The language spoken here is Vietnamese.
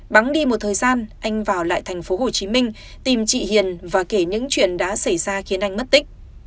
bắn đi một thời gian anh vào lại tp hcm tìm chị hiền và kể những chuyện đã xảy ra khiến anh mất tích